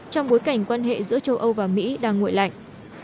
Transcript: trong bối cảnh quan hệ giữa châu âu và mỹ đang nguội lạnh